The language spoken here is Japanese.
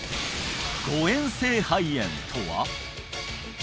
誤嚥性肺炎とは？